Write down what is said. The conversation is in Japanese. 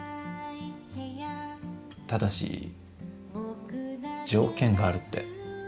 ただし条件があるって。